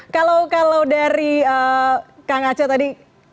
kalau dari kak ngaca tadi